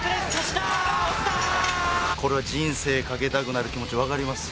これは人生かけたくなる気持ち分かります